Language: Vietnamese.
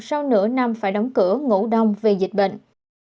sau nửa năm phải đóng cửa ngủ đông vì dịch bệnh